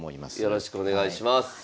よろしくお願いします。